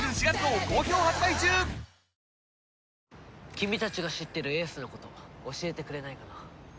君たちが知ってる英寿のこと教えてくれないかな？